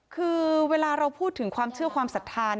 คือเวลาเราพูดถึงความเชื่อความศรัทธา